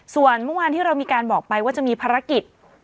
ส่วนเมื่อวานที่เรามีการบอกไปว่าจะมีภารกิจ